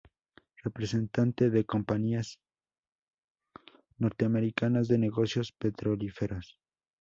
Representante de compañías norteamericanas de negocios petrolíferos.